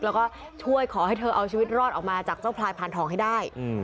แล้วก็ช่วยขอให้เธอเอาชีวิตรอดออกมาจากเจ้าพลายพานทองให้ได้